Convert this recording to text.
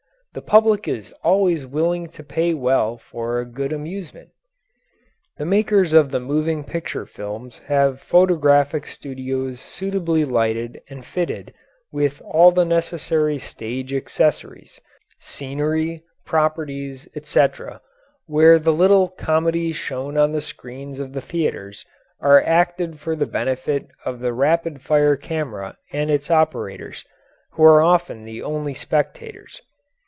The public is always willing to pay well for a good amusement. The makers of the moving picture films have photographic studios suitably lighted and fitted with all the necessary stage accessories (scenery, properties, etc.) where the little comedies shown on the screens of the theatres are acted for the benefit of the rapid fire camera and its operators, who are often the only spectators.